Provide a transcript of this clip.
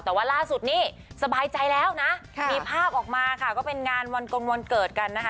แต่ว่าล่าสุดนี้สบายใจแล้วนะมีภาพออกมาค่ะก็เป็นงานวันกงวันเกิดกันนะคะ